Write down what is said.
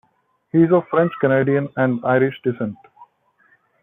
He is of French-Canadian and Irish descent.